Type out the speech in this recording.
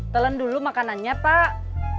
telan dulu makanannya pak